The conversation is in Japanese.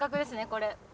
これ。